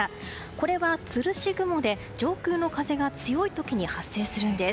これはつるし雲で上空の風が強い時に発生するんです。